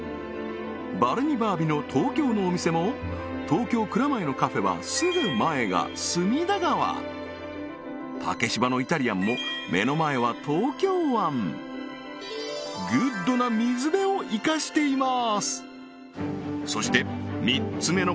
バルニバービの東京のお店も東京・蔵前のカフェはすぐ前が隅田川竹芝のイタリアンも目の前は東京湾グッドな水辺を生かしています！